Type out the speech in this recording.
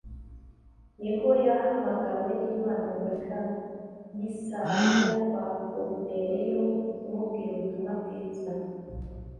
niho yahamagawe n’Imana ngo ajye i Kayisariya kwa Koruneliyo kumubwira ubutumwa bwiza.